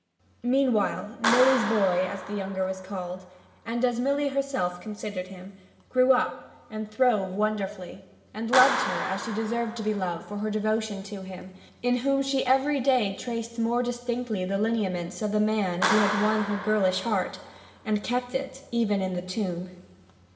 Meanwhile Milly's boy, as the youngster was called, and as Milly herself considered him, grew up, and throve wonderfully, and loved her as she deserved to be loved for her devotion to him, in whom she every day traced more distinctly the lineaments of the man who had won her girlish heart, and kept it even in the tomb.